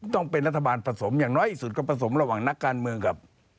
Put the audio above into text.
ต้องเป็นรัฐบาลผสมอย่างน้อยสุดก็ผสมระหว่างนักการเมืองกับ